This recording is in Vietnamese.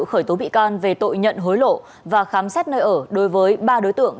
khởi tố bị can về tội nhận hối lộ và khám xét nơi ở đối với ba đối tượng